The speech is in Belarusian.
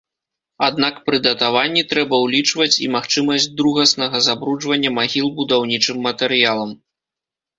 Аднак пры датаванні трэба ўлічваць і магчымасць другаснага забруджвання магіл будаўнічым матэрыялам.